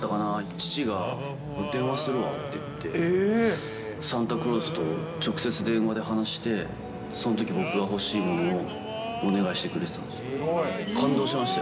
父が電話するわって言って、サンタクロースと直接電話で話して、そのとき僕が欲しいものをお願いしてくれてたんですよ。